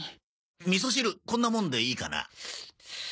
みそ汁こんなもんでいいかな？